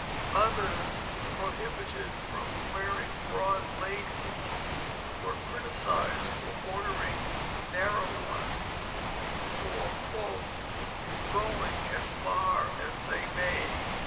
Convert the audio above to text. Others, prohibited from wearing broad laces, were criticised for ordering narrow ones, for "going as farr as they may."